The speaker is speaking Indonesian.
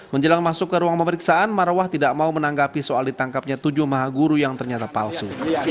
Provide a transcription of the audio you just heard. menjelang masuk ke ruang pemeriksaan marwah tidak mau menanggapi soal ditangkapnya tujuh maha guru yang ternyata palsu